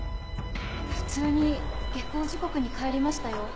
普通に下校時刻に帰りましたよ。